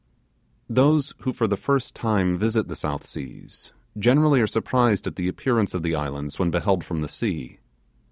Those who for the first time visit the South Sea, generally are surprised at the appearance of the islands when beheld from the sea.